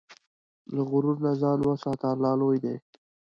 له غرور نه ځان وساته، الله لوی دی.